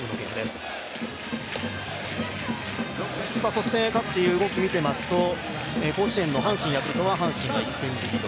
そして各地、動きを見ていますと、甲子園の阪神×ヤクルトは阪神が１点リード。